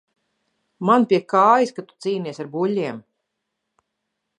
Man pie kājas, ka tu cīnies ar buļļiem!